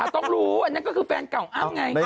ต้องรู้อันนั้นก็คือแฟนเก่าอ้ำไง